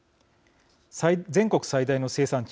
全国最大の生産地